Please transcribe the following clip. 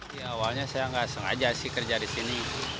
saya tidak sengaja kerja di sini